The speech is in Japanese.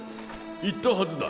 言ったはずだ。